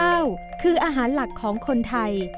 ข้าวคืออาหารหลักของคนไทย